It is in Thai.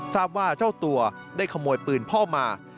ทราบว่าเจ้าตัวได้ขโมยปืนพ่อมา